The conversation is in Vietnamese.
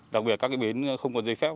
đặc biệt các cái bến không có dây phép